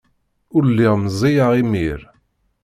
Lliɣ meẓẓiyeɣ imir.